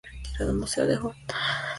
Museo de Jonuta Prof.